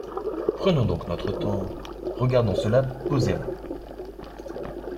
Prenons donc notre temps, regardons cela posément.